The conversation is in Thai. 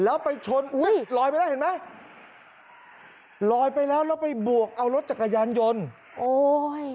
แล้วไปชนอุ้ยลอยไปแล้วเห็นไหมลอยไปแล้วแล้วไปบวกเอารถจักรยานยนต์โอ้ย